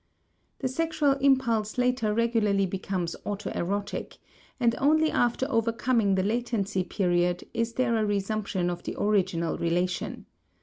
The sexual impulse later regularly becomes autoerotic, and only after overcoming the latency period is there a resumption of the original relation.